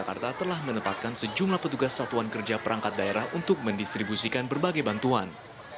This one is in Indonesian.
jakarta telah menempatkan sejumlah petugas satuan kerja perangkat daerah untuk mendistribusikan berbagai bantuan